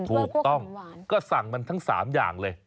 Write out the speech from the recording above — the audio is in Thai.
ถูกต้องก็สั่งมันทั้ง๓อย่างเลย